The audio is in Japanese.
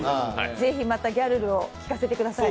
ぜひまたギャルルを聴かせてください。